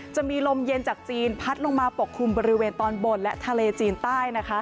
จะมีลมเย็นจากจีนพัดลงมาปกคลุมบริเวณตอนบนและทะเลจีนใต้